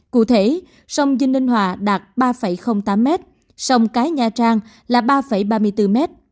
cụ thể sông dinh ninh hòa đạt ba tám m sông cái nha trang là ba ba mươi bốn m